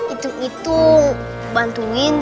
itu itu bantuin